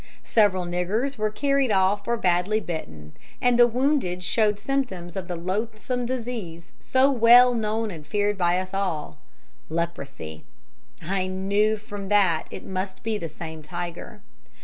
Several niggers were carried off or badly bitten, and the wounded showed symptoms of the loathsome disease so well known and feared by us all leprosy. "I knew from that it must be the same tiger.